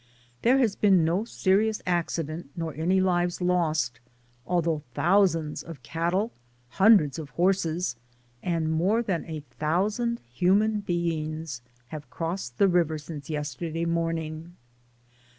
There has been no serious accident nor DAYS ON THE ROAD. 125 any lives lost, although thousands of cattle, hundreds of horses, and more than a thou sand human beings have crossed the river since yesterday morning.